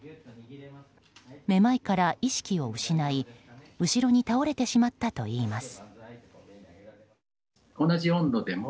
めまいから意識を失い後ろに倒れてしまったといいます。